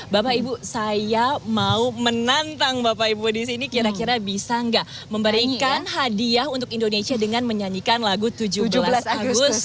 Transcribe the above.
bapak ibu saya mau menantang bapak ibu di sini kira kira bisa nggak membaringkan hadiah untuk indonesia dengan menyanyikan lagu tujuh belas agustus